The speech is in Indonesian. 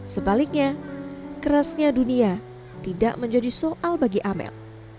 sebaliknya kerasnya dunia tidak menjadi soal bagi amel